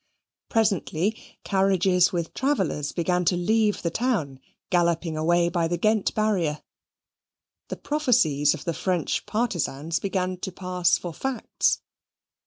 Presently carriages with travellers began to leave the town, galloping away by the Ghent barrier. The prophecies of the French partisans began to pass for facts.